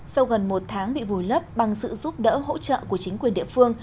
sau gần một tháng bị vùi lấp bằng sự giúp đỡ hỗ trợ của chính quyền địa phương